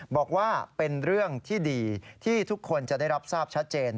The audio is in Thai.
บอกว่าเป็นเรื่องที่ดีที่ทุกคนจะได้รับทราบชัดเจน